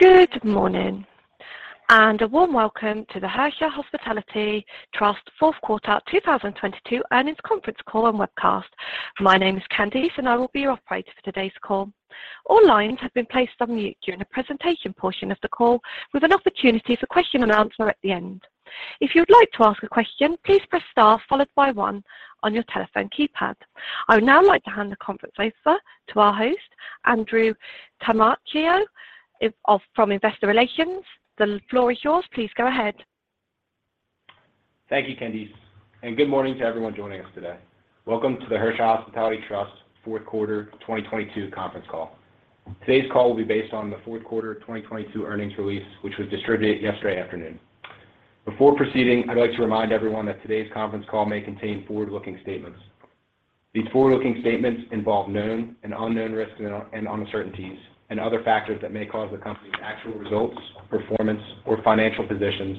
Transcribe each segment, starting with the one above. Good morning, a warm welcome to the Hersha Hospitality Trust Fourth Quarter 2022 Earnings Conference Call and Webcast. My name is Candice, I will be your operator for today's call. All lines have been placed on mute during the presentation portion of the call with an opportunity for question and answer at the end. If you would like to ask a question, please press star followed by one on your telephone keypad. I would now like to hand the conference over to our host, Andrew Tamaccio, from Investor Relations. The floor is yours. Please go ahead. Thank you, Candice, good morning to everyone joining us today. Welcome to the Hersha Hospitality Trust Fourth Quarter 2022 Conference Call. Today's call will be based on the fourth quarter 2022 earnings release, which was distributed yesterday afternoon. Before proceeding, I'd like to remind everyone that today's conference call may contain forward-looking statements. These forward-looking statements involve known and unknown risks and uncertainties and other factors that may cause the company's actual results, performance, or financial positions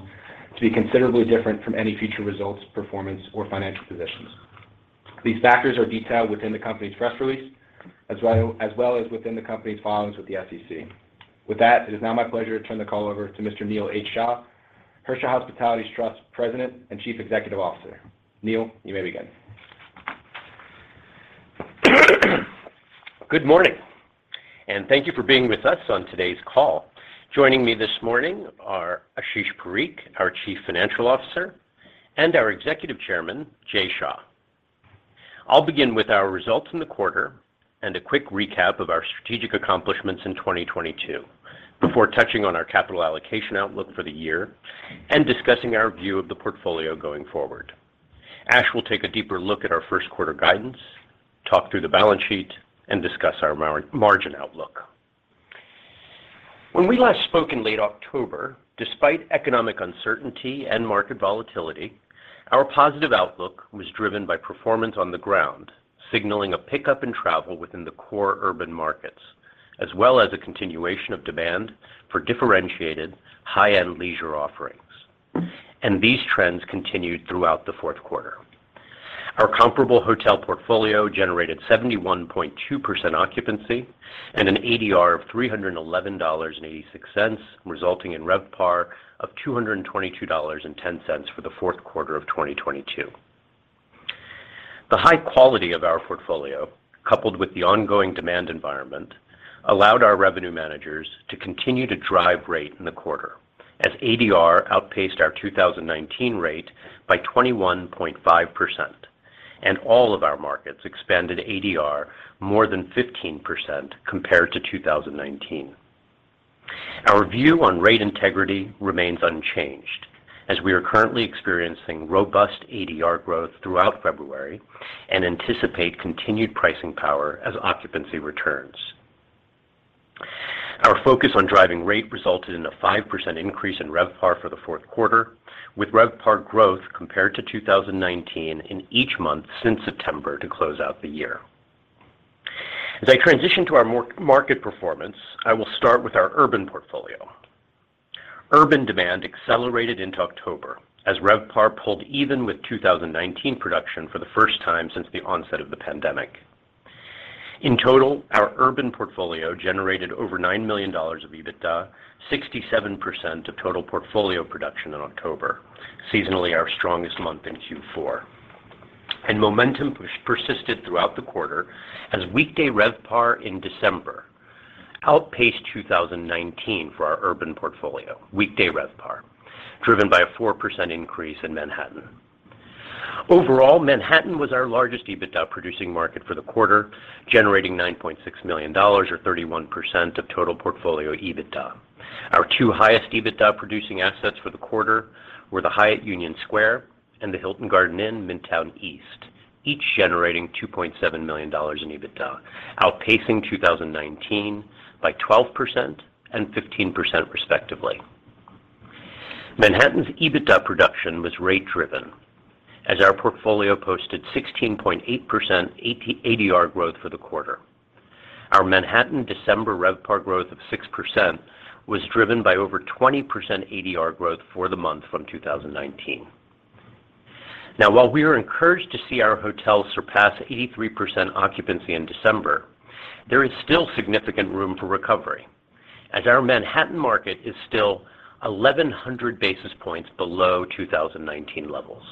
to be considerably different from any future results, performance, or financial positions. These factors are detailed within the company's press release as well as within the company's filings with the SEC. With that, it is now my pleasure to turn the call over to Mr. Neil H. Shah, Hersha Hospitality Trust President and Chief Executive Officer. Neil, you may begin. Good morning, thank you for being with us on today's call. Joining me this morning are Ashish Parikh, our Chief Financial Officer, and our Executive Chairman, Jay Shah. I'll begin with our results in the quarter and a quick recap of our strategic accomplishments in 2022 before touching on our capital allocation outlook for the year and discussing our view of the portfolio going forward. Ash will take a deeper look at our first quarter guidance, talk through the balance sheet, and discuss our margin outlook. When we last spoke in late October, despite economic uncertainty and market volatility, our positive outlook was driven by performance on the ground, signaling a pickup in travel within the core urban markets, as well as a continuation of demand for differentiated high-end leisure offerings. These trends continued throughout the fourth quarter. Our comparable hotel portfolio generated 71.2% occupancy and an ADR of $311.86, resulting in RevPAR of $222.10 for the fourth quarter of 2022. The high quality of our portfolio, coupled with the ongoing demand environment, allowed our revenue managers to continue to drive rate in the quarter as ADR outpaced our 2019 rate by 21.5%, and all of our markets expanded ADR more than 15% compared to 2019. Our view on rate integrity remains unchanged, as we are currently experiencing robust ADR growth throughout February and anticipate continued pricing power as occupancy returns. Our focus on driving rate resulted in a 5% increase in RevPAR for the fourth quarter, with RevPAR growth compared to 2019 in each month since September to close out the year. As I transition to our market performance, I will start with our urban portfolio. Urban demand accelerated into October as RevPAR pulled even with 2019 production for the first time since the onset of the pandemic. In total, our urban portfolio generated over $9 million of EBITDA, 67% of total portfolio production in October, seasonally our strongest month in Q4. Momentum persisted throughout the quarter as weekday RevPAR in December outpaced 2019 for our urban portfolio, driven by a 4% increase in Manhattan. Overall, Manhattan was our largest EBITDA-producing market for the quarter, generating $9.6 million or 31% of total portfolio EBITDA. Our two highest EBITDA-producing assets for the quarter were the Hyatt Union Square and the Hilton Garden Inn Midtown East, each generating $2.7 million in EBITDA, outpacing 2019 by 12% and 15% respectively. Manhattan's EBITDA production was rate-driven as our portfolio posted 16.8% AT-ADR growth for the quarter. Our Manhattan December RevPAR growth of 6% was driven by over 20% ADR growth for the month from 2019. While we are encouraged to see our hotels surpass 83% occupancy in December, there is still significant room for recovery as our Manhattan market is still 1,100 basis points below 2019 levels.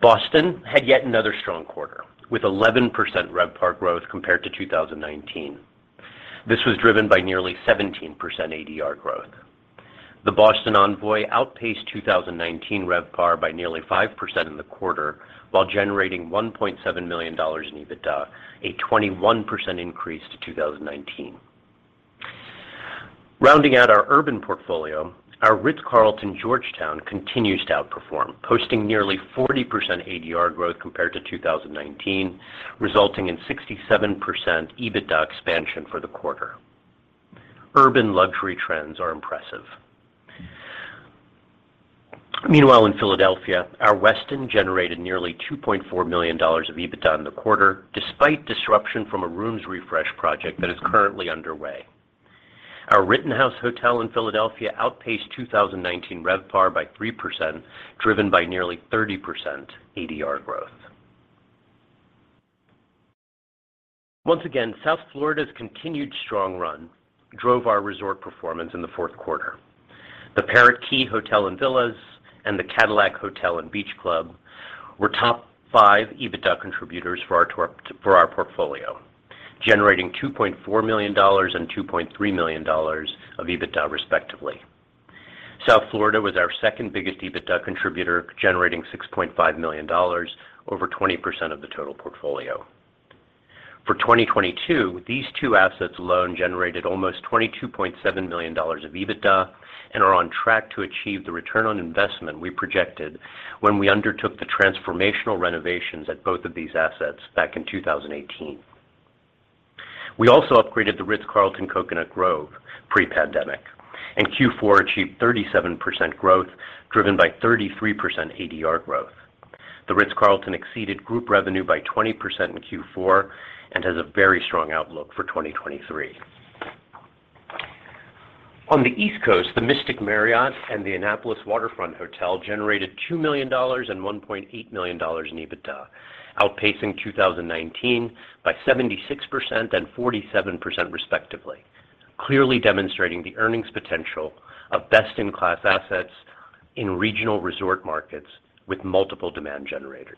Boston had yet another strong quarter with 11% RevPAR growth compared to 2019. This was driven by nearly 17% ADR growth. The Boston Envoy outpaced 2019 RevPAR by nearly 5% in the quarter while generating $1.7 million in EBITDA, a 21% increase to 2019. Rounding out our urban portfolio, our Ritz-Carlton Georgetown continues to outperform, posting nearly 40% ADR growth compared to 2019, resulting in 67% EBITDA expansion for the quarter. Urban luxury trends are impressive. Meanwhile, in Philadelphia, our Westin generated nearly $2.4 million of EBITDA in the quarter despite disruption from a rooms refresh project that is currently underway. The Rittenhouse Hotel in Philadelphia outpaced 2019 RevPAR by 3%, driven by nearly 30% ADR growth. South Florida's continued strong run drove our resort performance in the fourth quarter. The Parrot Key Hotel & Villas and the Cadillac Hotel & Beach Club were top five EBITDA contributors for our portfolio, generating $2.4 million and $2.3 million of EBITDA, respectively. South Florida was our second biggest EBITDA contributor, generating $6.5 million, over 20% of the total portfolio. For 2022, these two assets alone generated almost $22.7 million of EBITDA and are on track to achieve the return on investment we projected when we undertook the transformational renovations at both of these assets back in 2018. We also upgraded the Ritz-Carlton Coconut Grove pre-pandemic. Q4 achieved 37% growth, driven by 33% ADR growth. The Ritz-Carlton exceeded group revenue by 20% in Q4 and has a very strong outlook for 2023. On the East Coast, the Mystic Marriott and the Annapolis Waterfront Hotel generated $2 million and $1.8 million in EBITDA, outpacing 2019 by 76% and 47%, respectively, clearly demonstrating the earnings potential of best-in-class assets in regional resort markets with multiple demand generators.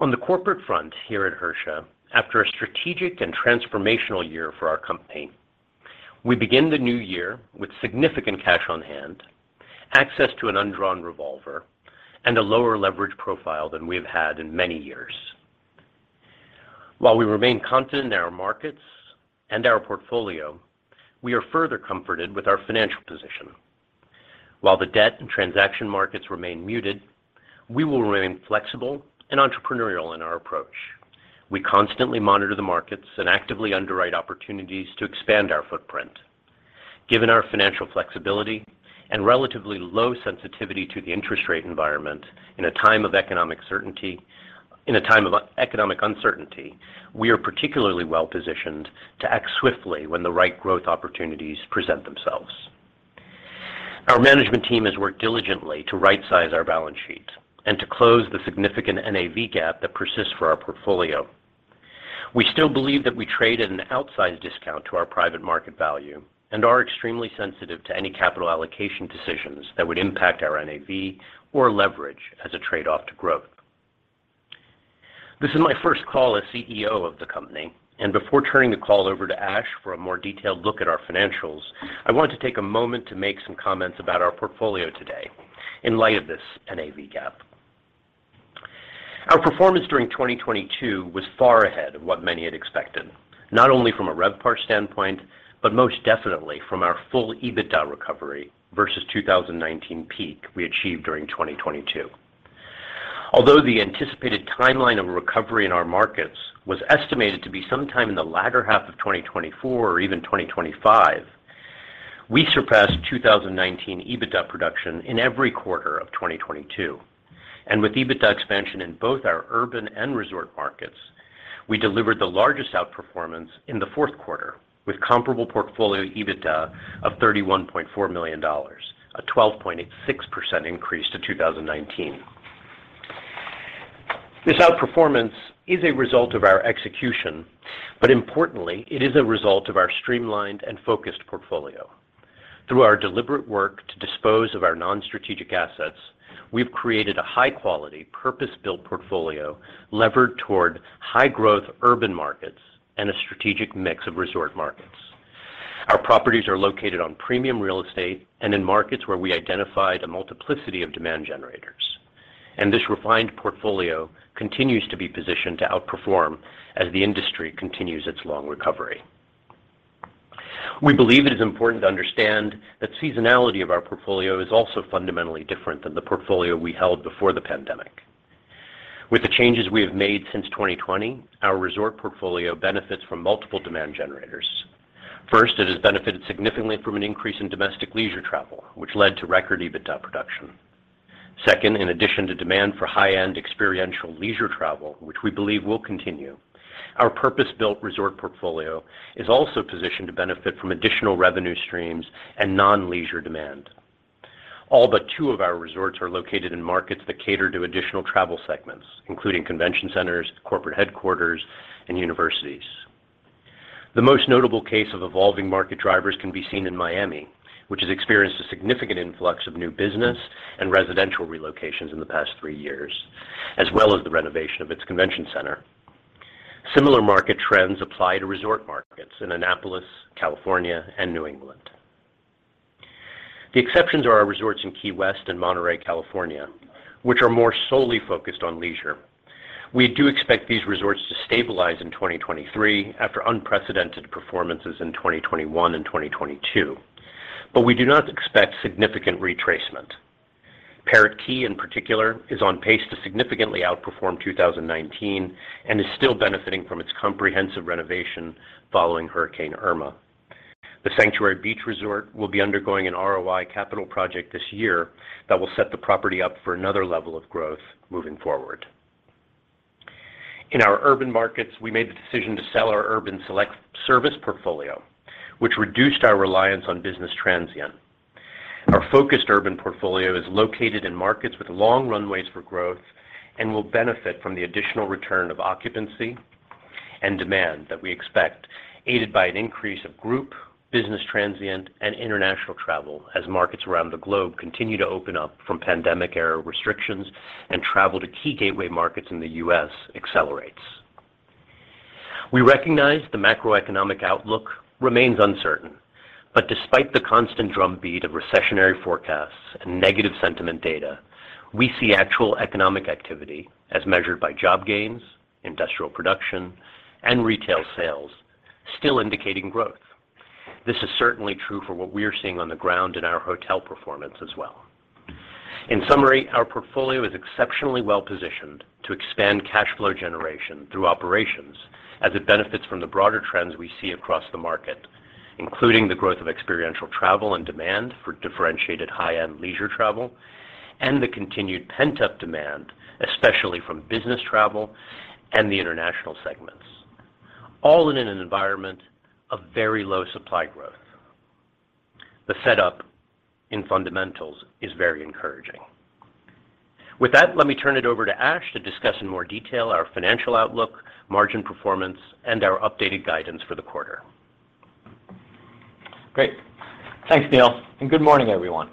On the corporate front here at Hersha, after a strategic and transformational year for our company, we begin the new year with significant cash on hand, access to an undrawn revolver, and a lower leverage profile than we have had in many years. While we remain confident in our markets and our portfolio, we are further comforted with our financial position. While the debt and transaction markets remain muted, we will remain flexible and entrepreneurial in our approach. We constantly monitor the markets and actively underwrite opportunities to expand our footprint. Given our financial flexibility and relatively low sensitivity to the interest rate environment in a time of economic uncertainty, we are particularly well-positioned to act swiftly when the right growth opportunities present themselves. Our management team has worked diligently to right-size our balance sheet and to close the significant NAV gap that persists for our portfolio. We still believe that we trade at an outsized discount to our private market value and are extremely sensitive to any capital allocation decisions that would impact our NAV or leverage as a trade-off to growth. This is my first call as CEO of the company, and before turning the call over to Ash for a more detailed look at our financials, I want to take a moment to make some comments about our portfolio today in light of this NAV gap. Our performance during 2022 was far ahead of what many had expected, not only from a RevPAR standpoint, but most definitely from our full EBITDA recovery versus 2019 peak we achieved during 2022. Although the anticipated timeline of recovery in our markets was estimated to be sometime in the latter half of 2024 or even 2025, we surpassed 2019 EBITDA production in every quarter of 2022. With EBITDA expansion in both our urban and resort markets, we delivered the largest outperformance in the fourth quarter, with comparable portfolio EBITDA of $31.4 million, a 12.86% increase to 2019. This outperformance is a result of our execution, but importantly, it is a result of our streamlined and focused portfolio. Through our deliberate work to dispose of our non-strategic assets, we've created a high-quality, purpose-built portfolio levered toward high-growth urban markets and a strategic mix of resort markets. Our properties are located on premium real estate and in markets where we identify the multiplicity of demand generators. This refined portfolio continues to be positioned to outperform as the industry continues its long recovery. We believe it is important to understand that seasonality of our portfolio is also fundamentally different than the portfolio we held before the pandemic. With the changes we have made since 2020, our resort portfolio benefits from multiple demand generators. First, it has benefited significantly from an increase in domestic leisure travel, which led to record EBITDA production. Second, in addition to demand for high-end experiential leisure travel, which we believe will continue, our purpose-built resort portfolio is also positioned to benefit from additional revenue streams and non-leisure demand. All but two of our resorts are located in markets that cater to additional travel segments, including convention centers, corporate headquarters, and universities. The most notable case of evolving market drivers can be seen in Miami, which has experienced a significant influx of new business and residential relocations in the past three years, as well as the renovation of its convention center. Similar market trends apply to resort markets in Annapolis, California, and New England. The exceptions are our resorts in Key West and Monterey, California, which are more solely focused on leisure. We do expect these resorts to stabilize in 2023 after unprecedented performances in 2021 and 2022, but we do not expect significant retracement. Parrot Key, in particular, is on pace to significantly outperform 2019 and is still benefiting from its comprehensive renovation following Hurricane Irma. The Sanctuary Beach Resort will be undergoing an ROI capital project this year that will set the property up for another level of growth moving forward. In our urban markets, we made the decision to sell our Urban Select Service portfolio, which reduced our reliance on business transient. Our focused urban portfolio is located in markets with long runways for growth and will benefit from the additional return of occupancy and demand that we expect, aided by an increase of group, business transient, and international travel as markets around the globe continue to open up from pandemic-era restrictions and travel to key gateway markets in the U.S. accelerates. We recognize the macroeconomic outlook remains uncertain, but despite the constant drumbeat of recessionary forecasts and negative sentiment data, we see actual economic activity as measured by job gains, industrial production, and retail sales still indicating growth. This is certainly true for what we're seeing on the ground in our hotel performance as well. In summary, our portfolio is exceptionally well-positioned to expand cash flow generation through operations as it benefits from the broader trends we see across the market, including the growth of experiential travel and demand for differentiated high-end leisure travel and the continued pent-up demand, especially from business travel and the international segments, all in an environment of very low supply growth. The setup in fundamentals is very encouraging. With that, let me turn it over to Ash to discuss in more detail our financial outlook, margin performance, and our updated guidance for the quarter. Great. Thanks, Neil. Good morning, everyone.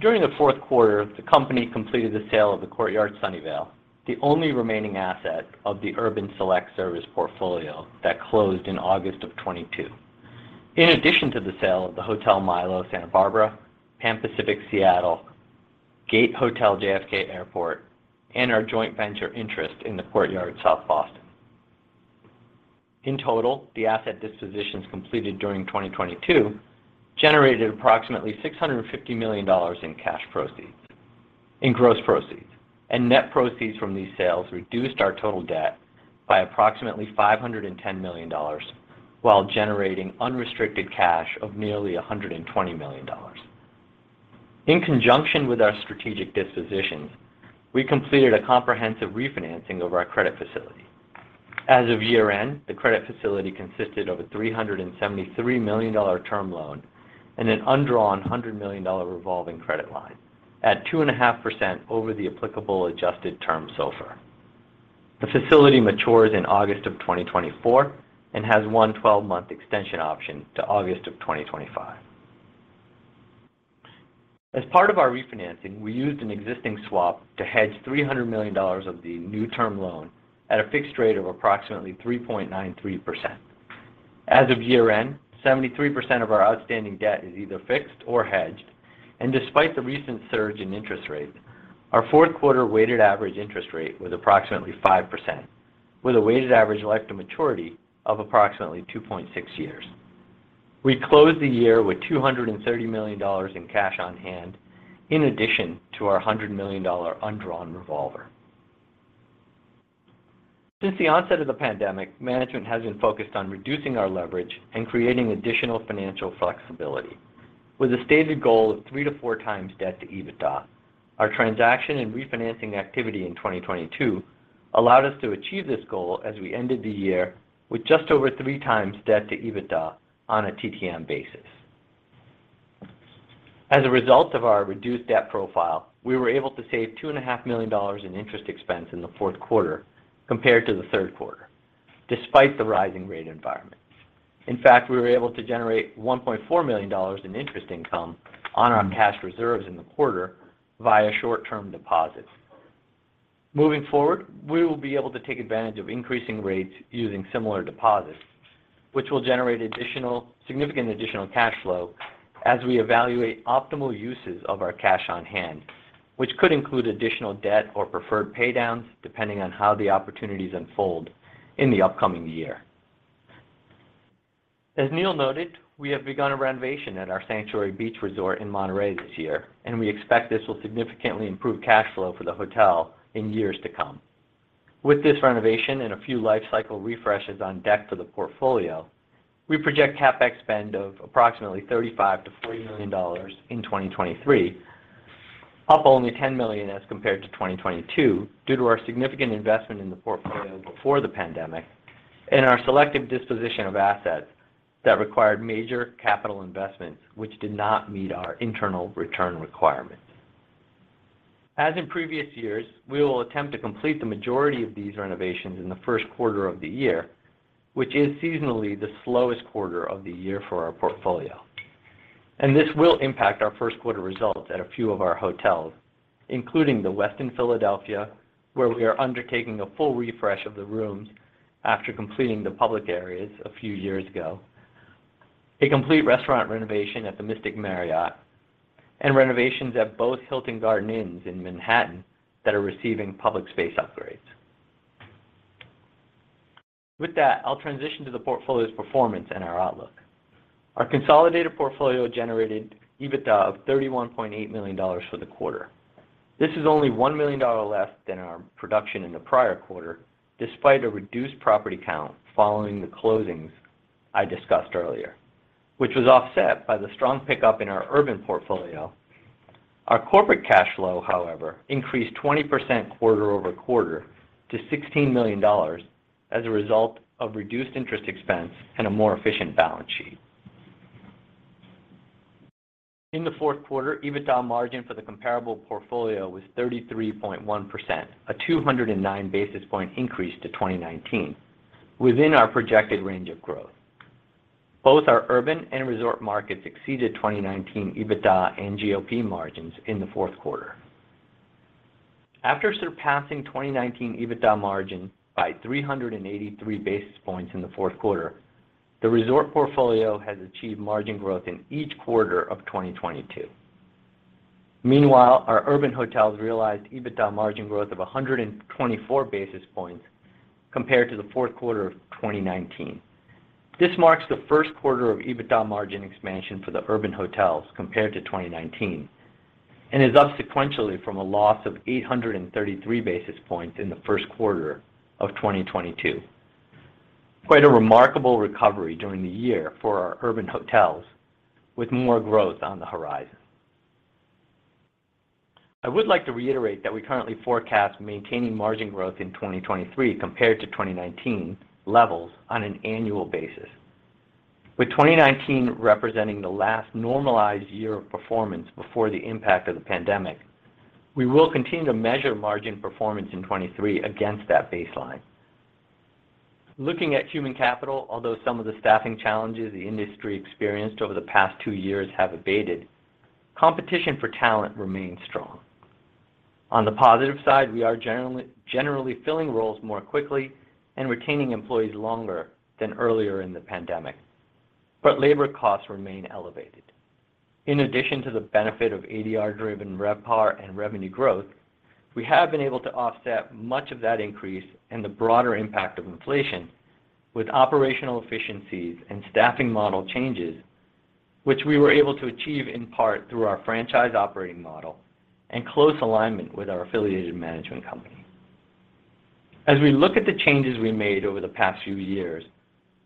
During the fourth quarter, the company completed the sale of the Courtyard Sunnyvale, the only remaining asset of the Urban Select Service portfolio that closed in August of 2022. In addition to the sale of the Hotel Milo Santa Barbara, Pan Pacific Seattle, Gate Hotel JFK Airport, and our joint venture interest in the Courtyard South Boston. In total, the asset dispositions completed during 2022 generated approximately $650 million in gross proceeds, and net proceeds from these sales reduced our total debt by approximately $510 million while generating unrestricted cash of nearly $120 million. In conjunction with our strategic dispositions, we completed a comprehensive refinancing of our credit facility. As of year-end, the credit facility consisted of a $373 million term loan and an undrawn $100 million revolving credit line at 2.5% over the applicable adjusted term SOFR. The facility matures in August of 2024 and has one 12-month extension option to August of 2025. As part of our refinancing, we used an existing swap to hedge $300 million of the new term loan at a fixed rate of approximately 3.93%. As of year-end, 73% of our outstanding debt is either fixed or hedged. Despite the recent surge in interest rates, our fourth quarter weighted average interest rate was approximately 5% with a weighted average life to maturity of approximately 2.6 years. We closed the year with $230 million in cash on hand in addition to our $100 million undrawn revolver. Since the onset of the pandemic, management has been focused on reducing our leverage and creating additional financial flexibility with a stated goal of 3x to 4x debt to EBITDA. Our transaction and refinancing activity in 2022 allowed us to achieve this goal as we ended the year with just over 3x debt to EBITDA on a TTM basis. As a result of our reduced debt profile, we were able to save $2.5 Million in interest expense in the fourth quarter compared to the third quarter, despite the rising rate environment. We were able to generate $1.4 million in interest income on our cash reserves in the quarter via short-term deposits. Moving forward, we will be able to take advantage of increasing rates using similar deposits, which will generate significant additional cash flow as we evaluate optimal uses of our cash on hand, which could include additional debt or preferred paydowns, depending on how the opportunities unfold in the upcoming year. As Neil noted, we have begun a renovation at our Sanctuary Beach Resort in Monterey this year, and we expect this will significantly improve cash flow for the hotel in years to come. With this renovation and a few life cycle refreshes on deck for the portfolio, we project CapEx spend of approximately $35 million-$40 million in 2023, up only $ 10 million as compared to 2022 due to our significant investment in the portfolio before the pandemic and our selective disposition of assets that required major capital investments which did not meet our internal return requirements. As in previous years, we will attempt to complete the majority of these renovations in the first quarter of the year, which is seasonally the slowest quarter of the year for our portfolio. This will impact our first quarter results at a few of our hotels, including The Westin Philadelphia, where we are undertaking a full refresh of the rooms after completing the public areas a few years ago, a complete restaurant renovation at the Mystic Marriott, and renovations at both Hilton Garden Inns in Manhattan that are receiving public space upgrades. With that, I'll transition to the portfolio's performance and our outlook. Our consolidated portfolio generated EBITDA of $31.8 million for the quarter. This is only $1 million less than our production in the prior quarter, despite a reduced property count following the closings I discussed earlier, which was offset by the strong pickup in our urban portfolio. Our corporate cash flow, however, increased 20% quarter-over-quarter to $16 million as a result of reduced interest expense and a more efficient balance sheet. In the fourth quarter, EBITDA margin for the comparable portfolio was 33.1%, a 209 basis point increase to 2019 within our projected range of growth. Both our urban and resort markets exceeded 2019 EBITDA and GOP margins in the fourth quarter. After surpassing 2019 EBITDA margin by 383 basis points in the fourth quarter, the resort portfolio has achieved margin growth in each quarter of 2022. Meanwhile, our urban hotels realized EBITDA margin growth of 124 basis points compared to the fourth quarter of 2019. This marks the first quarter of EBITDA margin expansion for the urban hotels compared to 2019 and is up sequentially from a loss of 833 basis points in the first quarter of 2022. Quite a remarkable recovery during the year for our urban hotels with more growth on the horizon. I would like to reiterate that we currently forecast maintaining margin growth in 2023 compared to 2019 levels on an annual basis. With 2019 representing the last normalized year of performance before the impact of the pandemic, we will continue to measure margin performance in 23 against that baseline. Looking at human capital, although some of the staffing challenges the industry experienced over the past two years have abated, competition for talent remains strong. On the positive side, we are generally filling roles more quickly and retaining employees longer than earlier in the pandemic. Labor costs remain elevated. In addition to the benefit of ADR-driven RevPAR and revenue growth, we have been able to offset much of that increase and the broader impact of inflation with operational efficiencies and staffing model changes, which we were able to achieve in part through our franchise operating model and close alignment with our affiliated management company. As we look at the changes we made over the past few years,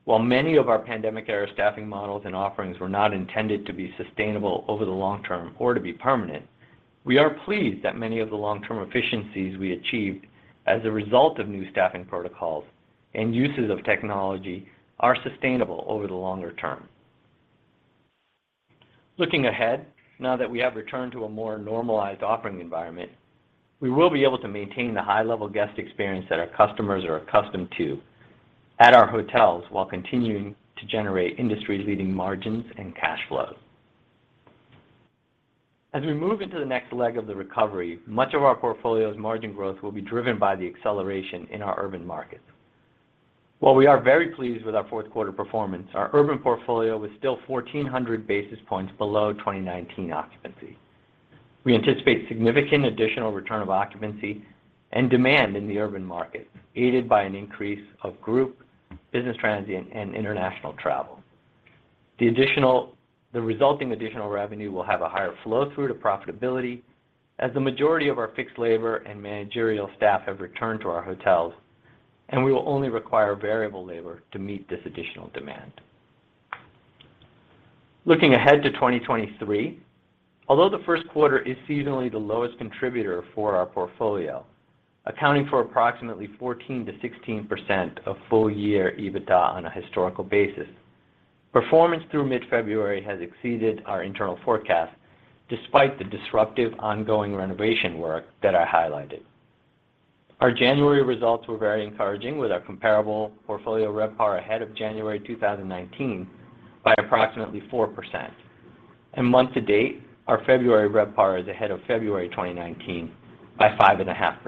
while many of our pandemic era staffing models and offerings were not intended to be sustainable over the long term or to be permanent, we are pleased that many of the long-term efficiencies we achieved as a result of new staffing protocols and uses of technology are sustainable over the longer term. Looking ahead, now that we have returned to a more normalized operating environment, we will be able to maintain the high-level guest experience that our customers are accustomed to at our hotels while continuing to generate industry-leading margins and cash flows. As we move into the next leg of the recovery, much of our portfolio's margin growth will be driven by the acceleration in our urban markets. While we are very pleased with our fourth quarter performance, our urban portfolio was still 1,400 basis points below 2019 occupancy. We anticipate significant additional return of occupancy and demand in the urban market, aided by an increase of group, business transient, and international travel. The resulting additional revenue will have a higher flow through to profitability as the majority of our fixed labor and managerial staff have returned to our hotels, and we will only require variable labor to meet this additional demand. Looking ahead to 2023, although the first quarter is seasonally the lowest contributor for our portfolio, accounting for approximately 14%-16% of full year EBITDA on a historical basis, performance through mid-February has exceeded our internal forecast despite the disruptive ongoing renovation work that I highlighted. Our January results were very encouraging, with our comparable portfolio RevPAR ahead of January 2019 by approximately 4%. Month to date, our February RevPAR is ahead of February 2019 by 5.5%,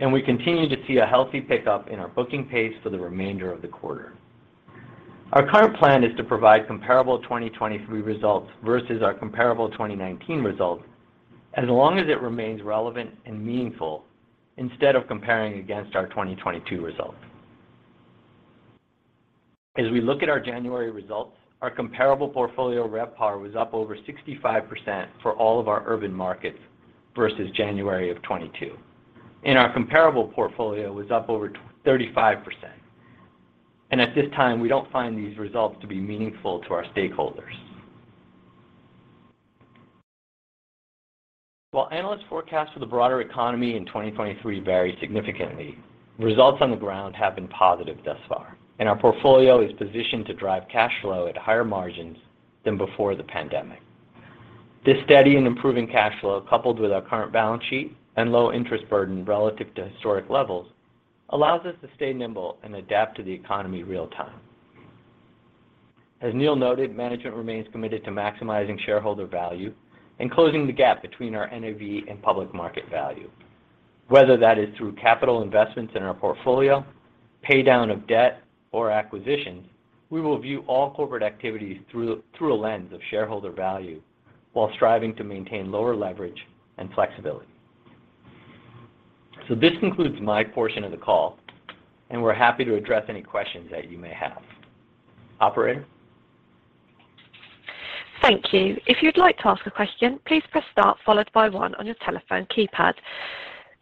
and we continue to see a healthy pickup in our booking pace for the remainder of the quarter. Our current plan is to provide comparable 2023 results versus our comparable 2019 results as long as it remains relevant and meaningful instead of comparing against our 2022 results. As we look at our January results, our comparable portfolio RevPAR was up over 65% for all of our urban markets versus January of 2020. Our comparable portfolio was up over 35%, and at this time, we don't find these results to be meaningful to our stakeholders. While analyst forecasts for the broader economy in 2023 vary significantly, results on the ground have been positive thus far, and our portfolio is positioned to drive cash flow at higher margins than before the pandemic. This steady and improving cash flow, coupled with our current balance sheet and low interest burden relative to historic levels, allows us to stay nimble and adapt to the economy real time. As Neil noted, management remains committed to maximizing shareholder value and closing the gap between our NAV and public market value. Whether that is through capital investments in our portfolio, pay down of debt, or acquisitions, we will view all corporate activities through a lens of shareholder value while striving to maintain lower leverage and flexibility. This concludes my portion of the call, and we're happy to address any questions that you may have. Operator? Thank you. If you'd like to ask a question, please press star followed by one on your telephone keypad.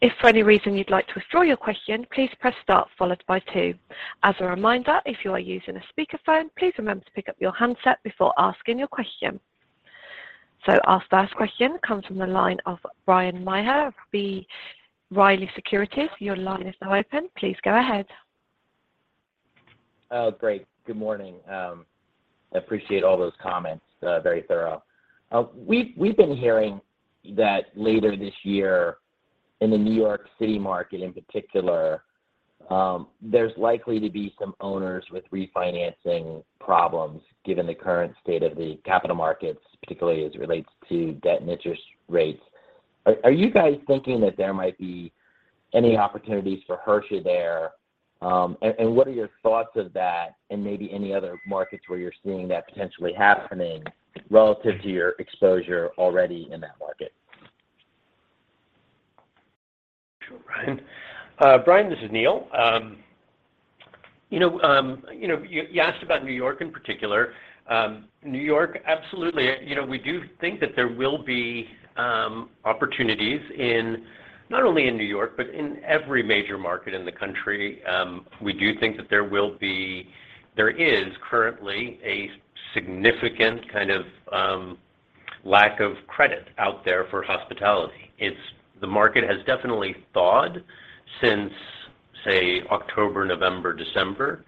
If for any reason you'd like to withdraw your question, please press star followed by two. As a reminder, if you are using a speakerphone, please remember to pick up your handset before asking your question. Our first question comes from the line of Bryan Maher of B. Riley Securities. Your line is now open. Please go ahead. Oh, great. Good morning. I appreciate all those comments. Very thorough. We've been hearing that later this year in the New York City market in particular, there's likely to be some owners with refinancing problems given the current state of the capital markets, particularly as it relates to debt and interest rates. Are you guys thinking that there might be any opportunities for Hersha there? What are your thoughts of that and maybe any other markets where you're seeing that potentially happening relative to your exposure already in that market? Sure, Bryan. Bryan, this is Neil. You asked about New York in particular. New York, absolutely. We do think that there will be opportunities in not only in New York, but in every major market in the country. We do think that there is currently a significant kind of lack of credit out there for hospitality. The market has definitely thawed since, say, October, November, December.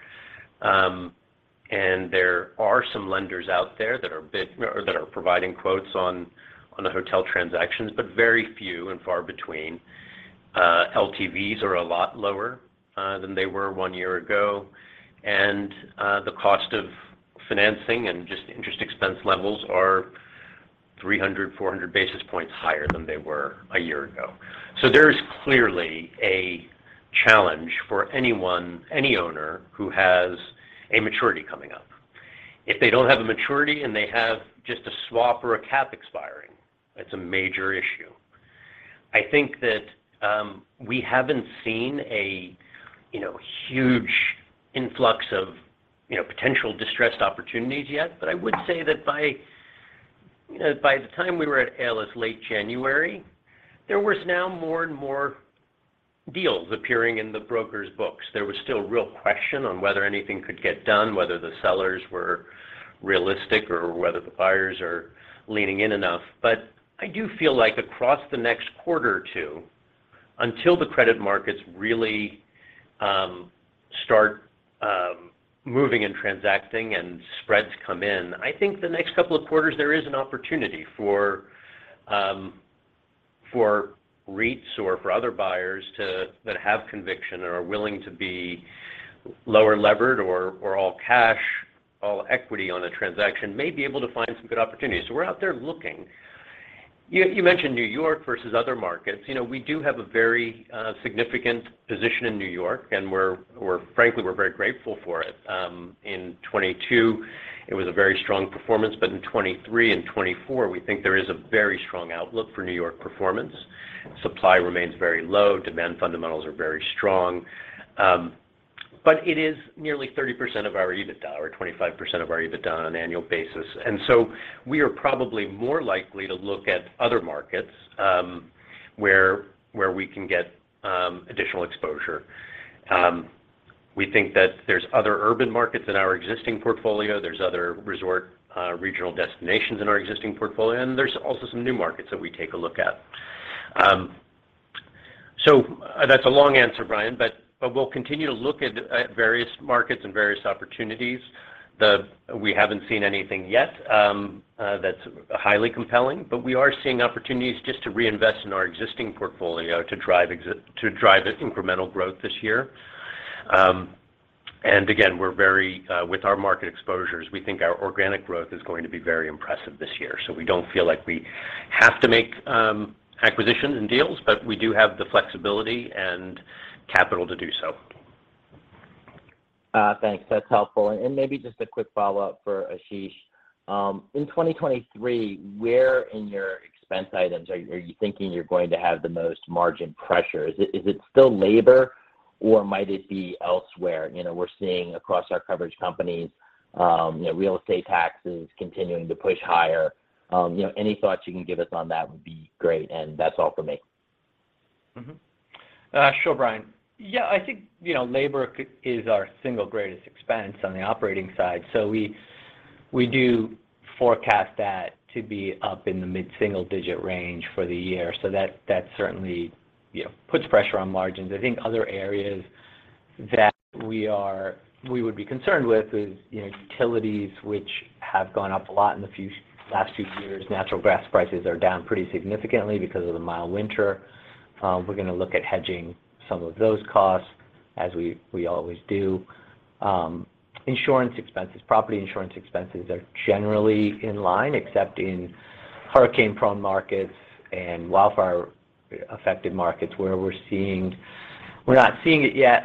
There are some lenders out there that are providing quotes on the hotel transactions, but very few and far between. LTVs are a lot lower than they were one year ago. The cost of financing and just interest expense levels are 300, 400 basis points higher than they were one year ago. There is clearly a challenge for anyone, any owner who has a maturity coming up. If they don't have a maturity and they have just a swap or a cap expiring, that's a major issue. I think that, we haven't seen a, you know, huge influx of, you know, potential distressed opportunities yet. I would say that by, you know, by the time we were at ALIS late January, there was now more and more deals appearing in the brokers' books. There was still real question on whether anything could get done, whether the sellers were realistic or whether the buyers are leaning in enough. I do feel like across the next quarter or two, until the credit markets really start moving and transacting and spreads come in, I think the next couple of quarters there is an opportunity for REITs or for other buyers to that have conviction or are willing to be lower levered or all cash, all equity on a transaction, may be able to find some good opportunities. We're out there looking. You mentioned New York versus other markets. You know, we do have a very significant position in New York, and we're frankly, we're very grateful for it. In 2022, it was a very strong performance, but in 2023 and 2024, we think there is a very strong outlook for New York performance. Supply remains very low. Demand fundamentals are very strong. It is nearly 30% of our EBITDA or 25% of our EBITDA on an annual basis. We are probably more likely to look at other markets, where we can get additional exposure. We think that there's other urban markets in our existing portfolio, there's other resort, regional destinations in our existing portfolio, and there's also some new markets that we take a look at. That's a long answer, Bryan, we'll continue to look at various markets and various opportunities. We haven't seen anything yet that's highly compelling. We are seeing opportunities just to reinvest in our existing portfolio to drive incremental growth this year. We're very with our market exposures, we think our organic growth is going to be very impressive this year. We don't feel like we have to make acquisitions and deals, but we do have the flexibility and capital to do so. Thanks. That's helpful. Maybe just a quick follow-up for Ashish. In 2023, where in your expense items are you thinking you're going to have the most margin pressure? Is it still labor or might it be elsewhere? You know, we're seeing across our coverage companies, you know, real estate taxes continuing to push higher. You know, any thoughts you can give us on that would be great. That's all for me. Sure, Bryan. Yeah, I think, you know, labor is our single greatest expense on the operating side. We do forecast that to be up in the mid-single digit range for the year. That certainly, you know, puts pressure on margins. I think other areas that we would be concerned with is, you know, utilities, which have gone up a lot in the last few years. Natural gas prices are down pretty significantly because of the mild winter. We're gonna look at hedging some of those costs as we always do. Insurance expenses, property insurance expenses are generally in line except in hurricane-prone markets and wildfire-affected markets. We're not seeing it yet.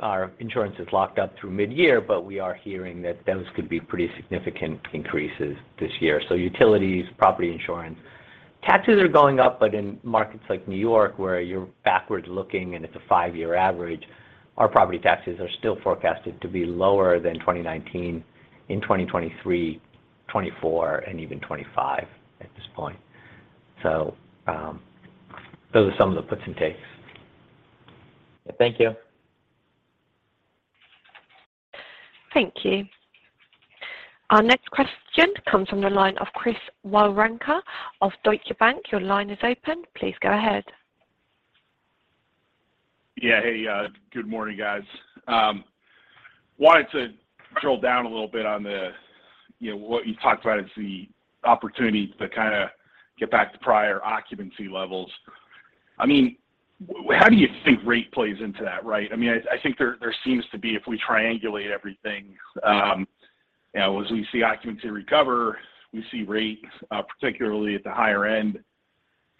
Our insurance is locked up through mid-year, we are hearing that those could be pretty significant increases this year. Utilities, property insurance. Taxes are going up, but in markets like New York, where you're backward-looking, and it's a five-year average, our property taxes are still forecasted to be lower than 2019 in 2023, 2024 and even 2025 at this point. Those are some of the puts and takes. Thank you. Thank you. Our next question comes from the line of Chris Woronka of Deutsche Bank. Your line is open. Please go ahead. Hey, good morning, guys. Wanted to drill down a little bit on the, you know, what you talked about as the opportunity to kinda get back to prior occupancy levels. I mean, how do you think rate plays into that, right? I mean, I think there seems to be, if we triangulate everything, you know, as we see occupancy recover, we see rates, particularly at the higher end,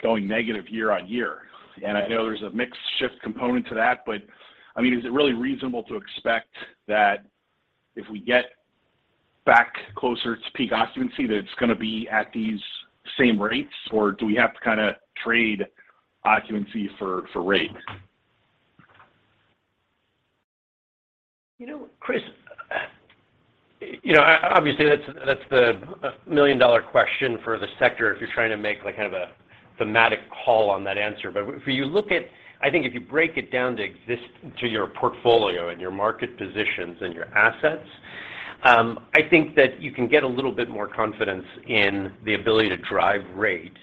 going negative year-on-year. I know there's a mixed shift component to that, but, I mean, is it really reasonable to expect that if we get back closer to peak occupancy that it's gonna be at these same rates, or do we have to kinda trade occupancy for rate? You know, Chris, you know, obviously that's the $1 million question for the sector if you're trying to make, like, kind of a thematic call on that answer. If you look at I think if you break it down to your portfolio and your market positions and your assets, I think that you can get a little bit more confidence in the ability to drive rate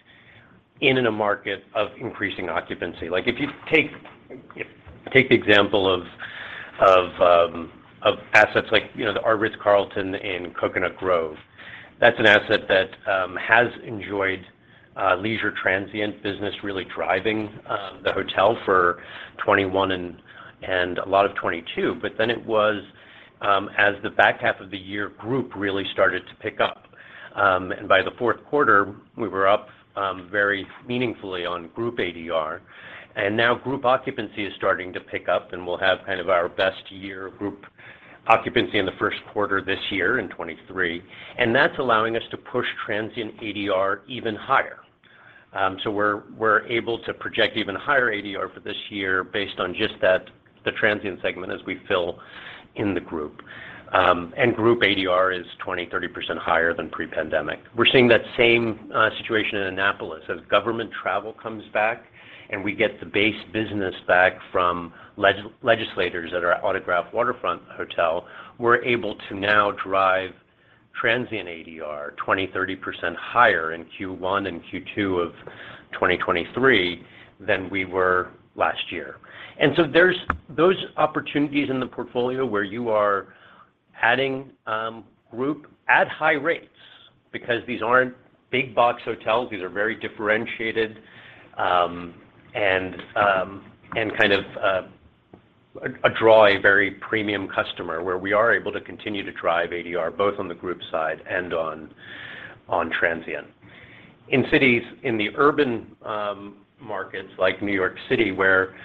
in a market of increasing occupancy. Like, if you take the example of assets like, you know, The Ritz-Carlton in Coconut Grove, that's an asset that has enjoyed leisure transient business really driving the hotel for 2021 and a lot of 2022. It was, as the back half of the year group really started to pick up, and by the fourth quarter, we were up very meaningfully on group ADR. Group occupancy is starting to pick up, and we'll have kind of our best year group occupancy in the first quarter this year in 2023, and that's allowing us to push transient ADR even higher. We're able to project even higher ADR for this year based on just that, the transient segment as we fill in the group. Group ADR is 20%-30% higher than pre-pandemic. We're seeing that same situation in Annapolis. As government travel comes back, and we get the base business back from legislators at our Autograph Waterfront Hotel, we're able to now drive transient ADR 20%-30% higher in Q1 and Q2 of 2023 than we were last year. There's those opportunities in the portfolio where you are adding group at high rates because these aren't big box hotels. These are very differentiated, and kind of a draw a very premium customer, where we are able to continue to drive ADR both on the group side and on transient. In cities, in the urban markets like New York City, where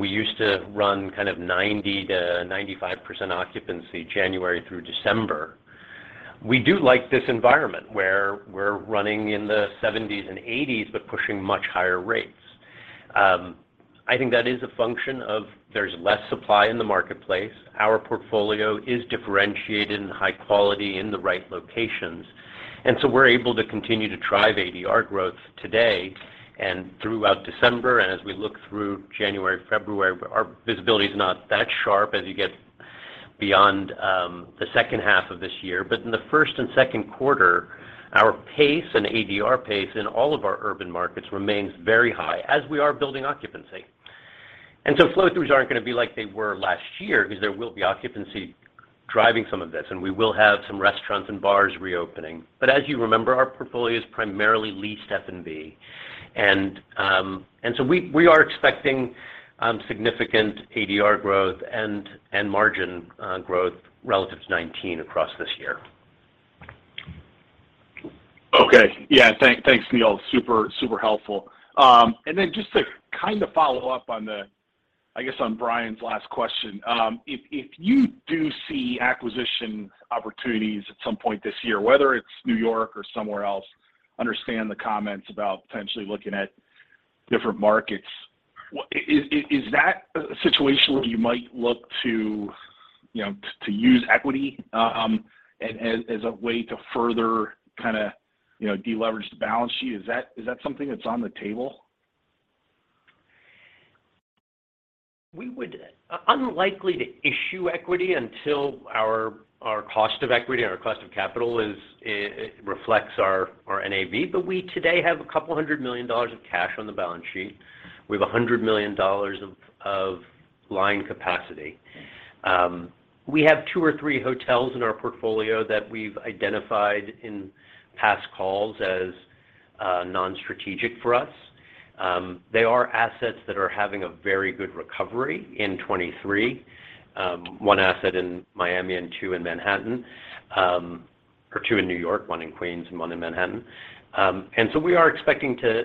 we used to run kind of 90%-95% occupancy January through December, we do like this environment, where we're running in the 70s and 80s, but pushing much higher rates. I think that is a function of there's less supply in the marketplace. Our portfolio is differentiated and high quality in the right locations. We're able to continue to drive ADR growth today and throughout December, and as we look through January, February. Our visibility is not that sharp as you get beyond the second half of this year. In the first and second quarter, our pace and ADR pace in all of our urban markets remains very high as we are building occupancy. Flow-throughs aren't gonna be like they were last year because there will be occupancy driving some of this, and we will have some restaurants and bars reopening. As you remember, our portfolio is primarily leased F&B. So we are expecting significant ADR growth and margin growth relative to 2019 across this year. Okay. Yeah. Thanks, Neil. Super, super helpful. Just to kind of follow up on the, I guess, on Bryan's last question. If you do see acquisition opportunities at some point this year, whether it's New York or somewhere else, understand the comments about potentially looking at different markets, is that a situation where you might look to, you know, to use equity, as a way to further kinda, you know, deleverage the balance sheet? Is that something that's on the table? We would unlikely to issue equity until our cost of equity and our cost of capital it reflects our NAV. We today have $200 million of cash on the balance sheet. We have $100 million of line capacity. We have two or three hotels in our portfolio that we've identified in past calls as non-strategic for us. They are assets that are having a very good recovery in 2023, one asset in Miami and two in Manhattan, or two in New York, one in Queens and one in Manhattan. We are expecting to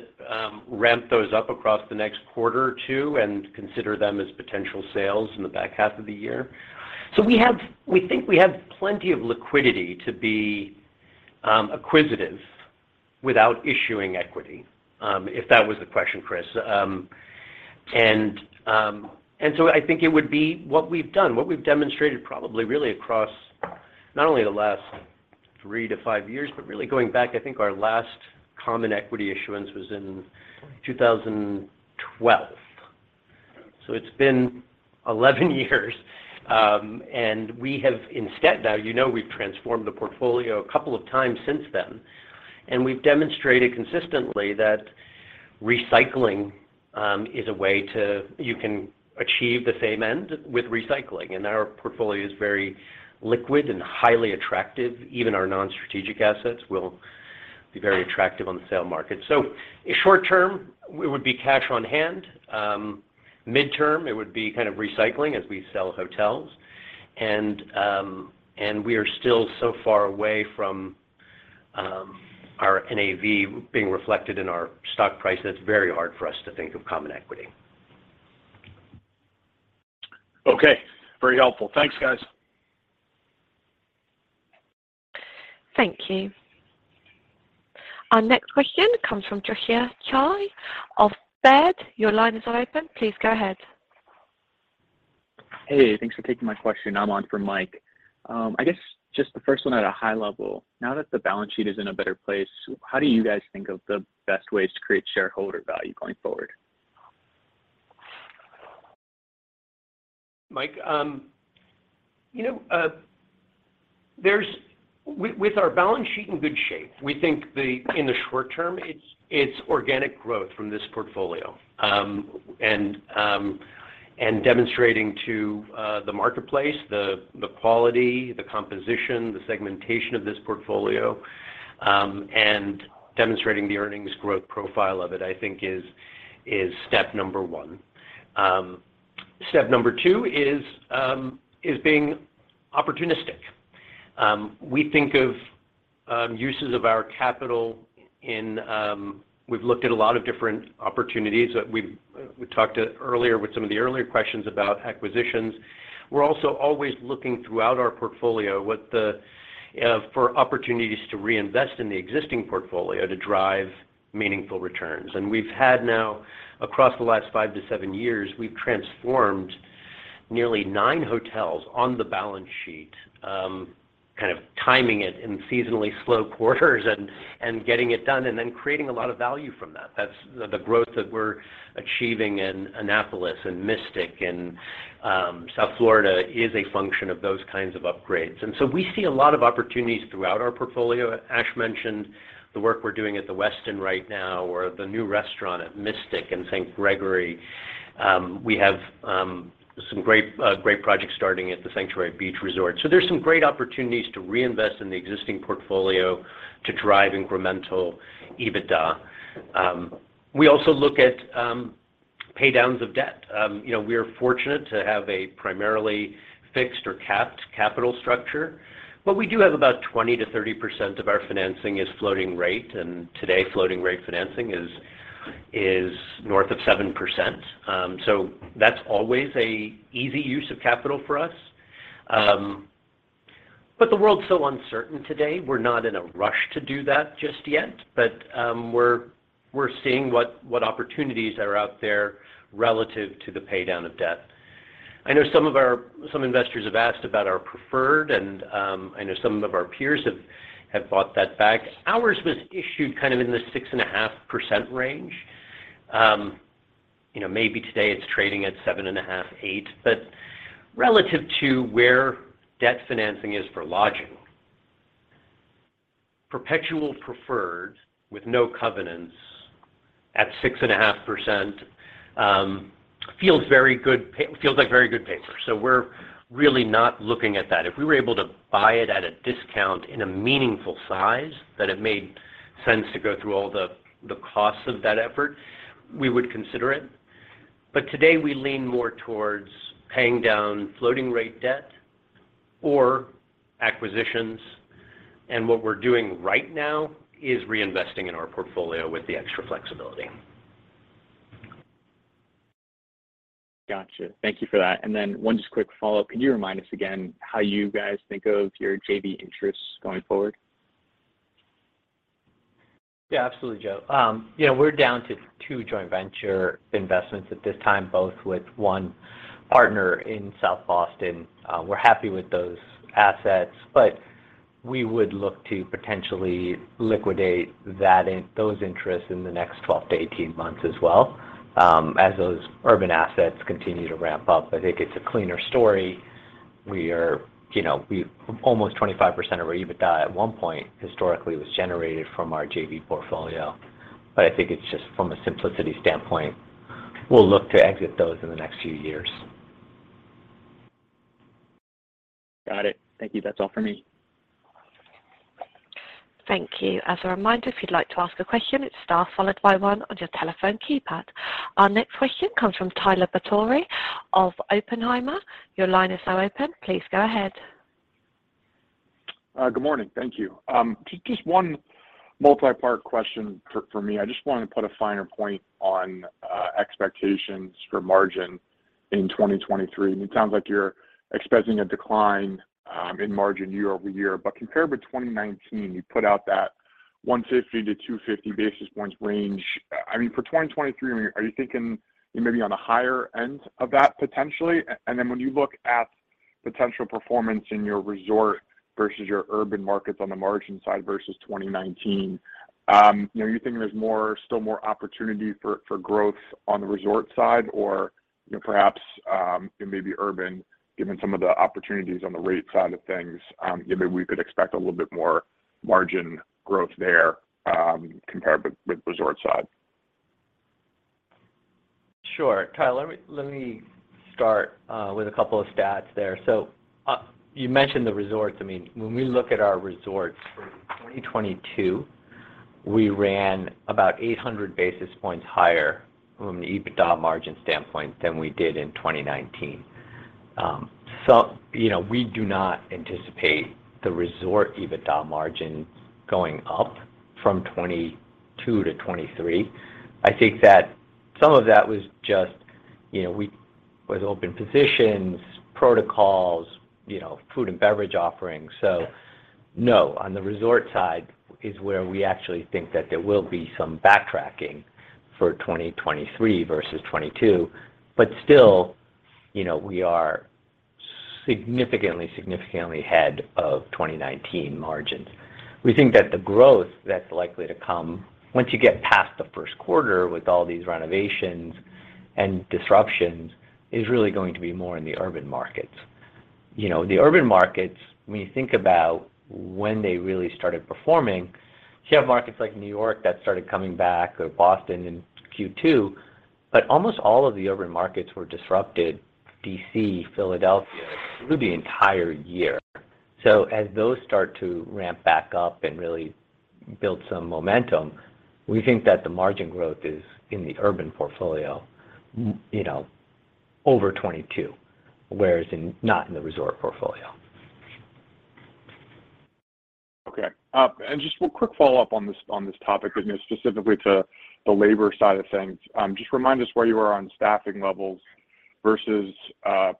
ramp those up across the next quarter or two and consider them as potential sales in the back half of the year. We think we have plenty of liquidity to be acquisitive without issuing equity, if that was the question, Chris. I think it would be what we've done, what we've demonstrated probably really across not only the last three to five years, but really going back, I think our last common equity issuance was in 2012. It's been 11 years. Now, you know, we've transformed the portfolio a couple of times since then, and we've demonstrated consistently that recycling is a way to. You can achieve the same end with recycling. Our portfolio is very liquid and highly attractive. Even our non-strategic assets will be very attractive on the sale market. Short-term, it would be cash on hand midterm, it would be kind of recycling as we sell hotels, and we are still so far away from our NAV being reflected in our stock price that it's very hard for us to think of common equity. Okay. Very helpful. Thanks, guys. Thank you. Our next question comes from Josiah Choy of Baird. Your line is now open. Please go ahead. Hey, thanks for taking my question. I'm on for Mike. I guess just the first one at a high level. Now that the balance sheet is in a better place, how do you guys think of the best ways to create shareholder value going forward? Mike, you know, with our balance sheet in good shape, we think the, in the short term, it's organic growth from this portfolio. Demonstrating to the marketplace the quality, the composition, the segmentation of this portfolio, and demonstrating the earnings growth profile of it, I think is step number one. Step number two is being opportunistic. We think of uses of our capital in, we've looked at a lot of different opportunities. We talked earlier with some of the earlier questions about acquisitions. We're also always looking throughout our portfolio for opportunities to reinvest in the existing portfolio to drive meaningful returns. We've had now across the last five to seven years, we've transformed nearly nine hotels on the balance sheet, kind of timing it in seasonally slow quarters and getting it done and then creating a lot of value from that. That's the growth that we're achieving in Annapolis and Mystic and South Florida is a function of those kinds of upgrades. We see a lot of opportunities throughout our portfolio. Ash mentioned the work we're doing at The Westin right now or the new restaurant at Mystic in St. Gregory. We have some great projects starting at The Sanctuary Beach Resort. There's some great opportunities to reinvest in the existing portfolio to drive incremental EBITDA. We also look at pay downs of debt. We are fortunate to have a primarily fixed or capped capital structure, but we do have about 20%-30% of our financing is floating rate, and today floating rate financing is north of 7%. That's always a easy use of capital for us. The world's so uncertain today, we're not in a rush to do that just yet. We're seeing what opportunities are out there relative to the pay down of debt. I know some investors have asked about our preferred, and I know some of our peers have bought that back. Ours was issued kind of in the 6.5% range. Maybe today it's trading at 7.5%, 8%. Relative to where debt financing is for lodging, perpetual preferred with no covenants at 6.5%, feels very good paper. We're really not looking at that. If we were able to buy it at a discount in a meaningful size that it made sense to go through all the costs of that effort, we would consider it. Today, we lean more towards paying down floating rate debt or acquisitions. What we're doing right now is reinvesting in our portfolio with the extra flexibility. Gotcha. Thank you for that. One just quick follow-up. Can you remind us again how you guys think of your JV interests going forward? Yeah, absolutely, Joe. you know, we're down to two joint venture investments at this time, both with one partner in South Boston. we're happy with those assets, but we would look to potentially liquidate those interests in the next 12 to 18 months as well, as those urban assets continue to ramp up. I think it's a cleaner story. We are, you know, Almost 25% of our EBITDA at 1 point historically was generated from our JV portfolio. I think it's just from a simplicity standpoint, we'll look to exit those in the next few years. Got it. Thank you. That's all for me. Thank you. As a reminder, if you'd like to ask a question, it's star followed by one on your telephone keypad. Our next question comes from Tyler Batory of Oppenheimer. Your line is now open. Please go ahead. Good morning. Thank you. Just one multi-part question for me. I just wanted to put a finer point on expectations for margin in 2023. It sounds like you're expecting a decline in margin year-over-year. Compared with 2019, you put out that 150-250 basis points range. I mean, for 2023, I mean, are you thinking maybe on the higher end of that potentially? When you look at potential performance in your resort versus your urban markets on the margin side versus 2019, you know, are you thinking there's still more opportunity for growth on the resort side? You know, perhaps, it may be urban, given some of the opportunities on the rate side of things, you know, we could expect a little bit more margin growth there, compared with resort side. Sure. Tyler, let me start with a couple of stats there. You mentioned the resorts. I mean, when we look at our resorts for 2022, we ran about 800 basis points higher from an EBITDA margin standpoint than we did in 2019. You know, we do not anticipate the resort EBITDA margin going up from 2022 to 2023. I think that some of that was just, you know, with open positions, protocols, you know, food and beverage offerings. No, on the resort side is where we actually think that there will be some backtracking for 2023 versus 2022. Still, you know, we are significantly ahead of 2019 margins. We think that the growth that's likely to come once you get past the first quarter with all these renovations and disruptions is really going to be more in the urban markets. You know, the urban markets, when you think about when they really started performing, you have markets like New York that started coming back, or Boston in Q2. Almost all of the urban markets were disrupted, D.C., Philadelphia, through the entire year. As those start to ramp back up and really build some momentum, we think that the margin growth is in the urban portfolio, you know, over 2022, whereas not in the resort portfolio. Okay. Just one quick follow-up on this, on this topic, I guess, specifically to the labor side of things. Just remind us where you are on staffing levels versus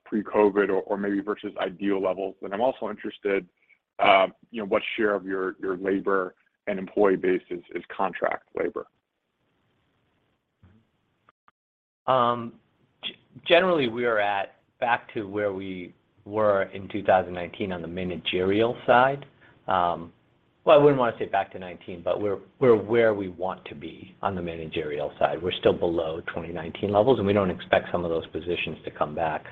pre-COVID or maybe versus ideal levels. I'm also interested, you know, what share of your labor and employee base is contract labor. Generally, we are at back to where we were in 2019 on the managerial side. Well, I wouldn't want to say back to 2019, but we're where we want to be on the managerial side. We're still below 2019 levels. We don't expect some of those positions to come back.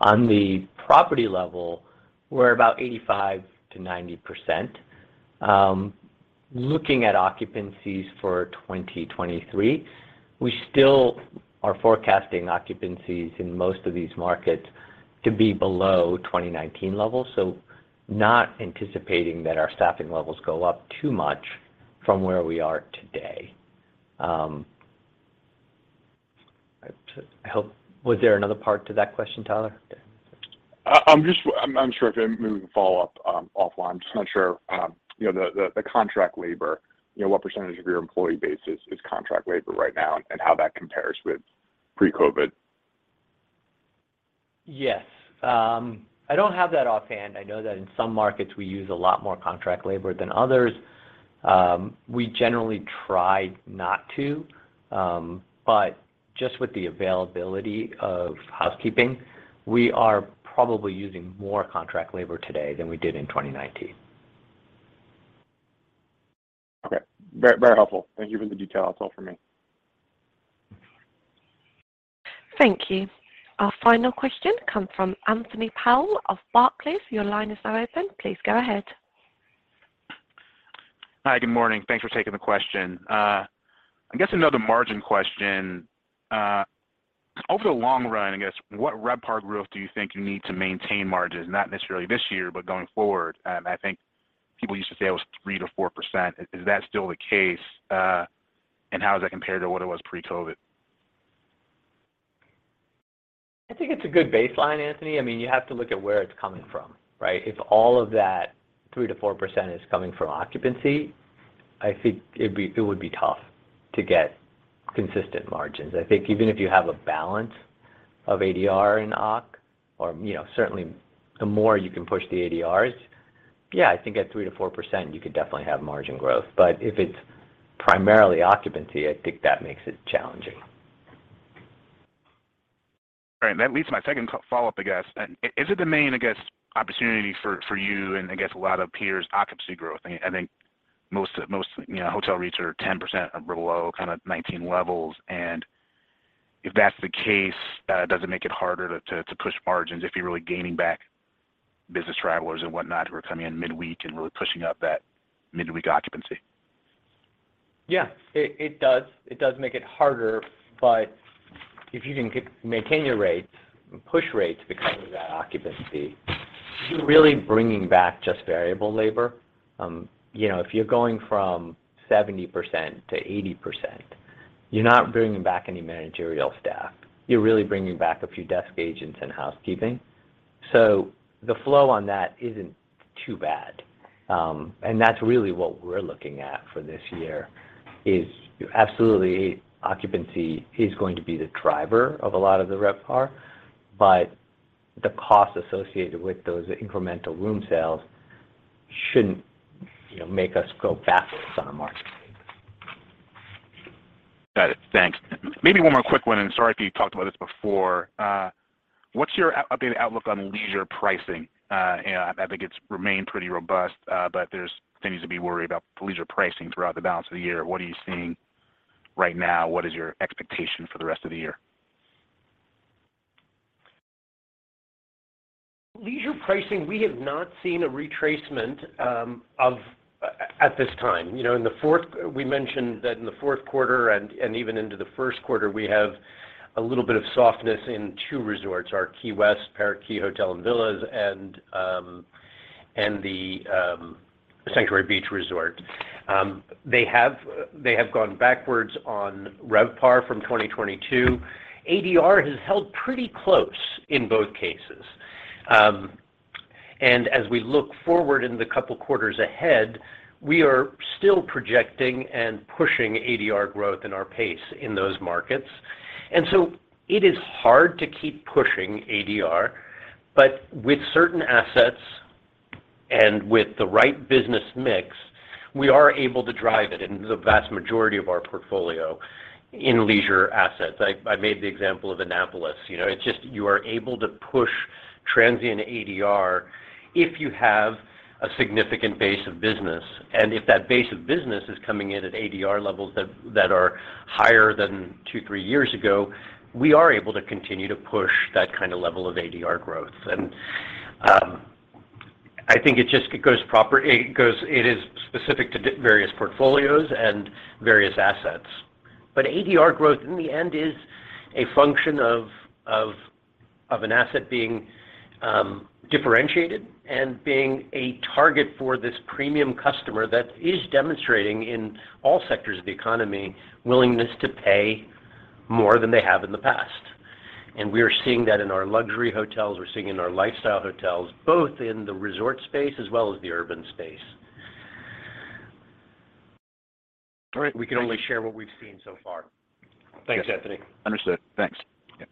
On the property level, we're about 85%-90%. Looking at occupancies for 2023, we still are forecasting occupancies in most of these markets to be below 2019 levels. Not anticipating that our staffing levels go up too much from where we are today. Was there another part to that question, Tyler? I'm sure if maybe we can follow up offline. I'm just not sure, you know, the contract labor, you know, what percentage of your employee base is contract labor right now and how that compares with pre-COVID? Yes. I don't have that offhand. I know that in some markets we use a lot more contract labor than others. We generally try not to, but just with the availability of housekeeping, we are probably using more contract labor today than we did in 2019. Okay. Very, very helpful. Thank you for the detail. That's all for me. Thank you. Our final question comes from Anthony Powell of Barclays. Your line is now open. Please go ahead. Hi. Good morning. Thanks for taking the question. I guess another margin question. Over the long run, I guess, what RevPAR growth do you think you need to maintain margins? Not necessarily this year, but going forward. I think people used to say it was 3%-4%. Is that still the case? How does that compare to what it was pre-COVID? I think it's a good baseline, Anthony. I mean, you have to look at where it's coming from, right? If all of that 3%-4% is coming from occupancy, I think it would be tough to get consistent margins. I think even if you have a balance of ADR and occ, or, you know, certainly the more you can push the ADRs, yeah, I think at 3%-4%, you could definitely have margin growth. If it's primarily occupancy, I think that makes it challenging. All right. That leads to my second follow-up, I guess. Is it the main, I guess, opportunity for you and I guess a lot of peers, occupancy growth? I think most, you know, hotel rates are 10% or below kinda 19 levels. If that's the case, does it make it harder to push margins if you're really gaining back business travelers and whatnot who are coming in midweek and really pushing up that midweek occupancy? Yeah. It does. It does make it harder. If you can maintain your rates and push rates because of that occupancy, you're really bringing back just variable labor. You know, if you're going from 70% to 80%, you're not bringing back any managerial staff. You're really bringing back a few desk agents and housekeeping. The flow on that isn't too bad. That's really what we're looking at for this year, is absolutely occupancy is going to be the driver of a lot of the RevPAR, but the cost associated with those incremental room sales shouldn't, you know, make us go backwards on the marketing. Got it. Thanks. Maybe one more quick one, sorry if you talked about this before. What's your updated outlook on leisure pricing? I think it's remained pretty robust, but there's things to be worried about for leisure pricing throughout the balance of the year. What are you seeing right now? What is your expectation for the rest of the year? Leisure pricing, we have not seen a retracement at this time. You know, in the fourth... We mentioned that in the fourth quarter and even into the first quarter, we have a little bit of softness in two resorts, our Key West Parrot Key Hotel & Villas and The Sanctuary Beach Resort. They have gone backwards on RevPAR from 2022. ADR has held pretty close in both cases. As we look forward in the couple quarters ahead, we are still projecting and pushing ADR growth in our pace in those markets. It is hard to keep pushing ADR, but with certain assets and with the right business mix, we are able to drive it in the vast majority of our portfolio in leisure assets. I made the example of Annapolis. You know, it's just you are able to push transient ADR if you have a significant base of business. If that base of business is coming in at ADR levels that are higher than two, three years ago, we are able to continue to push that kind of level of ADR growth. I think it just, it is specific to various portfolios and various assets. ADR growth in the end is a function of an asset being differentiated and being a target for this premium customer that is demonstrating in all sectors of the economy, willingness to pay more than they have in the past. We are seeing that in our luxury hotels. We're seeing it in our lifestyle hotels, both in the resort space as well as the urban space. All right. Thank you. We can only share what we've seen so far. Thanks, Anthony. Understood. Thanks. Yeah.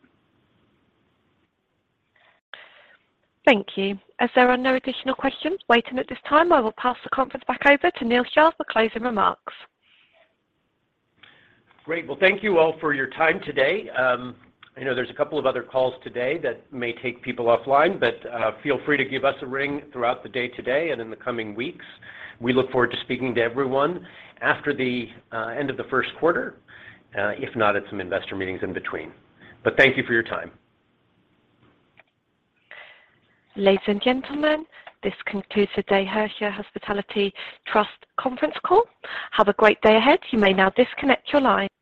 Thank you. As there are no additional questions waiting at this time, I will pass the conference back over to Neil Shah for closing remarks. Great. Well, thank you all for your time today. I know there's a couple of other calls today that may take people offline, but feel free to give us a ring throughout the day today and in the coming weeks. We look forward to speaking to everyone after the end of the first quarter, if not at some investor meetings in between. Thank you for your time. Ladies and gentlemen, this concludes the Hersha Hospitality Trust conference call. Have a great day ahead. You may now disconnect your line.